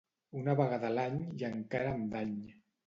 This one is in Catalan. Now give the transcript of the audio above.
Una vegada a l'any i encara amb dany.